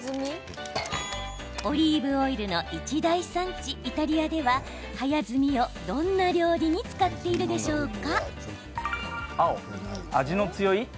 オリーブオイルの一大産地、イタリアでは早摘みをどんな料理に使っているでしょうか。